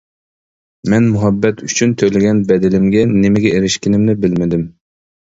مەن مۇھەببەت ئۈچۈن تۆلىگەن بەدىلىمگە نېمىگە ئېرىشكىنىمنى بىلمىدىم.